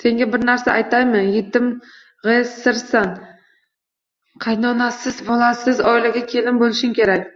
Senga bir narsa aytaymi? Yetimg'esirsiz, qaynonasiz, bolasiz oilaga kelin bo'lishing kerak.